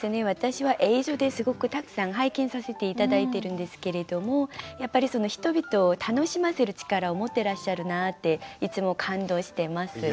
私は映像ですごくたくさん拝見させて頂いてるんですけれどもやっぱり人々を楽しませる力を持ってらっしゃるなあっていつも感動してます。